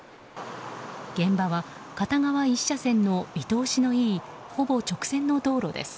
現場は片側１車線の見通しのいいほぼ直線の道路です。